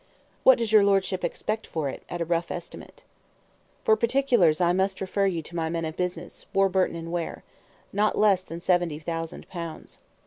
"What does your lordship expect for it at a rough estimate?" "For particulars I must refer you to my men of business, Warburton & Ware. Not less than seventy thousand pounds."